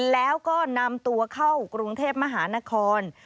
แล้วก็นำตัวเข้ากรุงเทพมหานคร